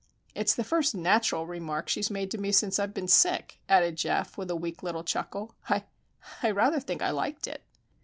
It's the first natural remark she's made to me since I've been sick," added Geof, with a weak little chuckle. "I,—I rather think I liked it."